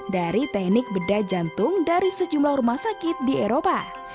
dari teknik bedah jantung dari sejumlah rumah sakit di eropa